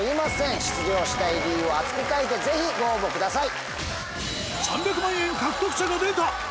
出場したい理由を熱く書いてぜひご応募ください！